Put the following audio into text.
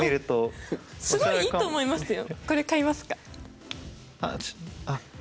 すごいいいと思いますよ。